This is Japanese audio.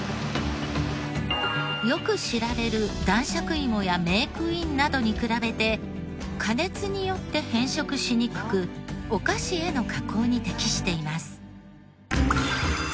よく知られる男爵いもやメークインなどに比べて加熱によって変色しにくくお菓子への加工に適しています。